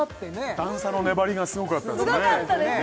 段差の粘りがすごかったですね